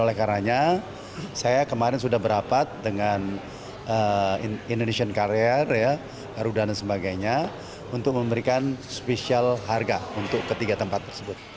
harga untuk ketiga tempat tersebut